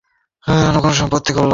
রানু কোনো আপত্তি করল না।